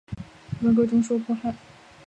文革中受迫害。